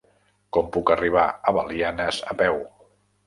Com puc arribar a Belianes a peu?